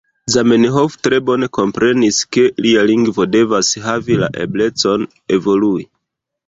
Zamenhof tre bone komprenis, ke lia lingvo devas havi la eblecon evolui.